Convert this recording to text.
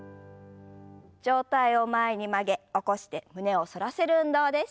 上体を前に曲げ起こして胸を反らせる運動です。